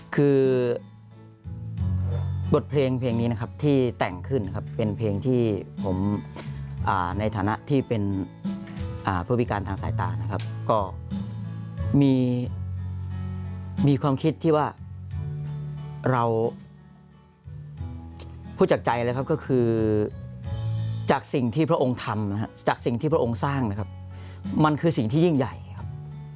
คือบทเพลงเพลงนี้นะครับที่แต่งขึ้นครับเป็นเพลงที่ผมในฐานะที่เป็นผู้พิการทางสายตานะครับก็มีความคิดที่ว่าเราพูดจากใจเลยครับก็คือจากสิ่งที่พระองค์ทำนะครับจากสิ่งที่พระองค์สร้างนะครับมันคือสิ่งที่ยิ่งใหญ่ครับ